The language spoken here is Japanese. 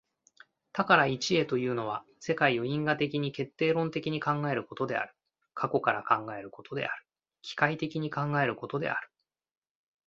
多から一へというのは、世界を因果的に決定論的に考えることである、過去から考えることである、機械的に考えることである。